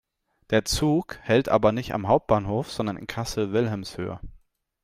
Der Zug hält aber nicht am Hauptbahnhof, sondern in Kassel-Wilhelmshöhe.